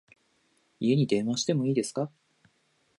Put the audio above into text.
家に電話しても良いですか？